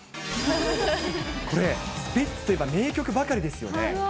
これ、スピッツといえば名曲ばかりですよね。